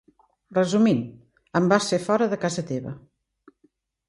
Resumint, em vas fer fora de casa teva.